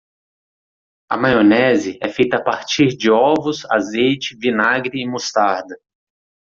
A maionese é feita a partir de ovos, azeite, vinagre e mostarda.